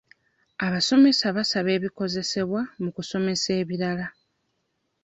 Abasomesa basaba bikozesebwa mu kusomesa ebirala.